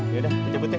yaudah kita jemput ya